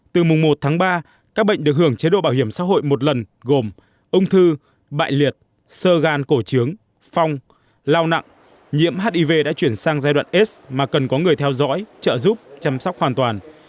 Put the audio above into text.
từ mùng một tháng ba các bệnh được hưởng chế độ bảo hiểm xã hội một lần gồm ung thư bại liệt sơ gan cổ trướng phong lao nặng nhiễm hiv đã chuyển sang giai đoạn s mà cần có người theo dõi trợ giúp chăm sóc hoàn toàn